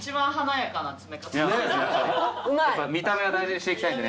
やっぱ見た目は大事にしていきたいんで。